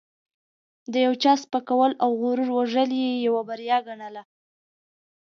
د یو چا سپکول او غرور وژل یې یوه بریا ګڼله.